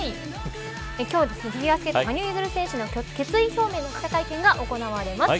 今日はフィギュアスケート羽生結弦選手の決意表明の記者会見が行われます。